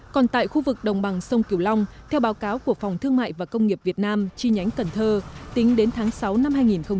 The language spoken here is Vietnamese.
còn tại khu vực đồng bằng sông kiều long theo báo cáo của phòng thương mại và công nghiệp việt nam chi nhánh cần thơ tính đến tháng sáu năm hai nghìn một mươi chín